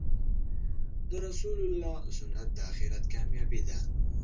د رسول الله سنت د آخرت کامیابې ده .